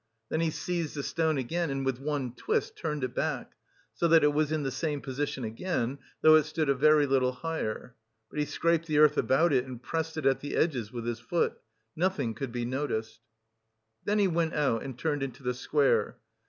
Then he seized the stone again and with one twist turned it back, so that it was in the same position again, though it stood a very little higher. But he scraped the earth about it and pressed it at the edges with his foot. Nothing could be noticed. Then he went out, and turned into the square.